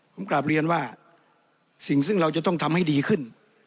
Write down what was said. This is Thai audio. ผมกลับเรียนว่าสิ่งซึ่งเราจะต้องทำให้ดีขึ้น